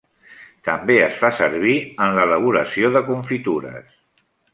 També es fa servir en l'elaboració de confitures.